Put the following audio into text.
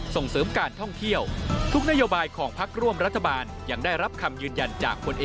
ส่งเสริมการท่องเที่ยวทุกนโยบายของพักร่วมรัฐบาล